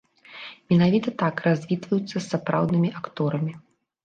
Менавіта так развітваюцца з сапраўднымі акторамі.